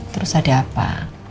terus ada apa